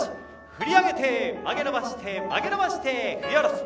振り上げて、曲げ伸ばして曲げ伸ばして、振り下ろす。